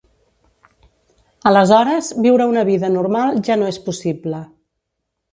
Aleshores, viure una vida normal ja no és possible.